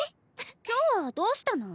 今日はどうしたの？